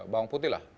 bawang putih lah